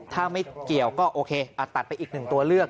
ถ้าไม่เกี่ยวก็โอเคตัดไปอีกหนึ่งตัวเลือก